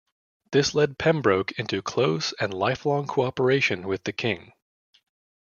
This led Pembroke into close and lifelong cooperation with the King.